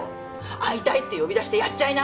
会いたいって呼び出してやっちゃいな！